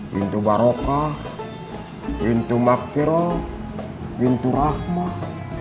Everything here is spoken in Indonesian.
bintu barokah bintu maqfirah bintu rahmah